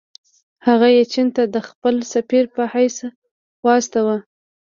هغه یې چین ته د خپل سفیر په حیث واستاوه.